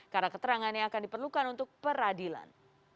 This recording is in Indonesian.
karena keterangannya akan diperlukan untuk peradilan